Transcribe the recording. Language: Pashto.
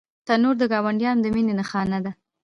تنور د ګاونډیانو د مینې نښانه ده